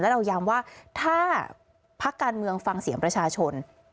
เราย้ำว่าถ้าพักการเมืองฟังเสียงประชาชน